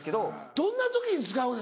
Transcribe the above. どんな時に使うねん？